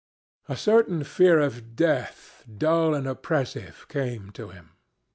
A certain fear of death, dull and oppressive, came to him.